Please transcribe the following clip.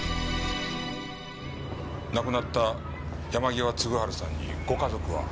亡くなった山際嗣治さんにご家族は？